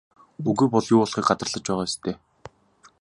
Үгүй бол юу болохыг гадарлаж байгаа биз дээ?